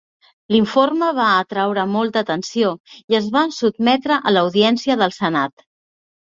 L'informe va atraure molta atenció, i es va sotmetre a l'audiència del senat.